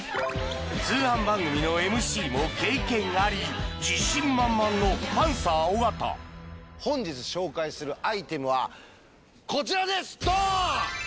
通販番組のＭＣも経験あり自信満々の本日紹介するアイテムはこちらですドーン！